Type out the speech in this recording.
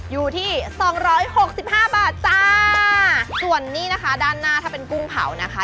อยู่ที่สองร้อยหกสิบห้าบาทจ้าส่วนนี้นะคะด้านหน้าถ้าเป็นกุ้งเผานะคะ